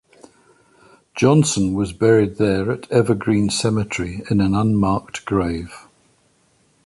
Johnson was buried there at Evergreen Cemetery in an unmarked grave.